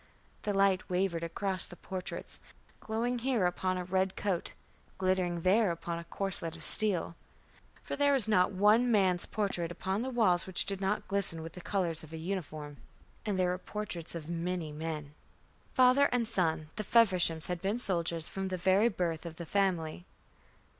The light wavered across the portraits, glowing here upon a red coat, glittering there upon a corselet of steel. For there was not one man's portrait upon the walls which did not glisten with the colours of a uniform, and there were the portraits of many men. Father and son, the Fevershams had been soldiers from the very birth of the family.